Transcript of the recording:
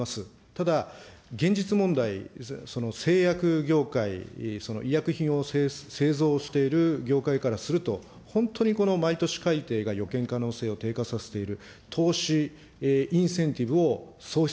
ただ、現実問題、製薬業界、その医薬品を製造している業界からすると、本当にこの毎年改定が予見可能性を低下させている。